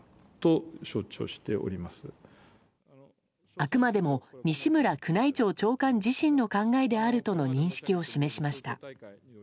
あくまでも西村宮内庁長官自身の考えであるとの認識を示しました。